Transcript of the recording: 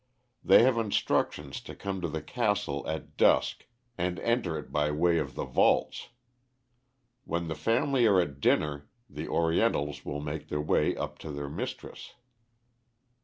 They have instructions to come to the castle at dusk and enter it by way of the vaults. When the family are at dinner the Orientals will make their way up to their mistress."